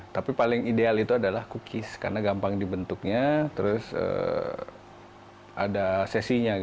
tapi paling ideal itu adalah cookies karena gampang dibentuknya terus ada sesinya